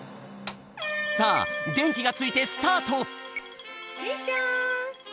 さあでんきがついてスタート！